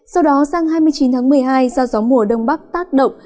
sau đó sang hai mươi chín tháng một mươi hai do gió mùa đông bắc tác động